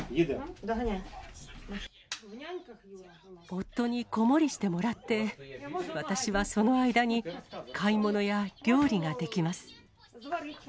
夫に子守してもらって、私はその間に買い物や料理ができます。